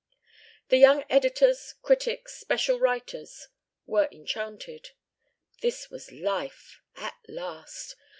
The young editors, critics, special writers were enchanted. This was Life! At last!